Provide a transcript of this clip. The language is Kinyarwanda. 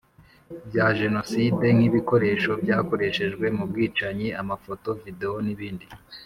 Bya jenoside nk ibikoresho byakoreshejwe mu bwicanyi amafoto video n ibindi